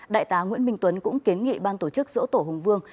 đại tá nguyễn minh tuấn cũng kiến nghị ban tổ chức dỗ tổ hùng vương